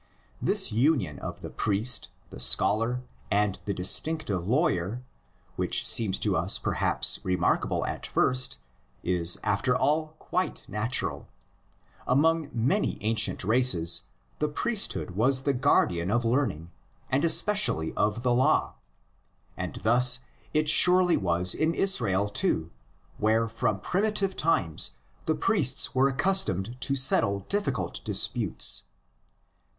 This union of the priest, the scholar, and the distinctive lawyer, which seems to us perhaps remarkable at first, is after all quite natural: among many ancient races the priesthood was the guardian of learning and especially of the law. And thus it surely was in Israel too, where from primitive times the priests were accustomed to settle difficult dis putes.